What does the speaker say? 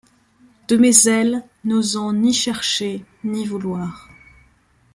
De mes ailes, n’osant ni chercher, ni vouloir.